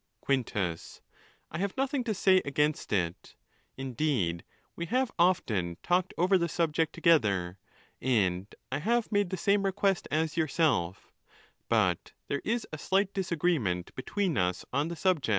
IIL. Quintus.—I have nothing to say against it. Indeed we have often talked over the subject together, and I have made the same request as yourself ; but there is a slight dis agreement between us on the subject.